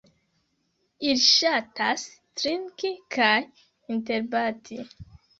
Ili ŝatas drinki kaj interbati.